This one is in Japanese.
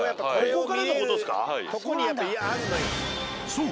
そう。